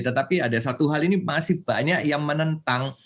tetapi ada satu hal ini masih banyak yang menentang